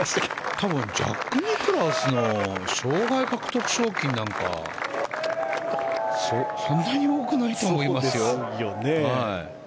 多分ジャック・ニクラウスの生涯獲得賞金なんかそんなに多くないと思いますよ。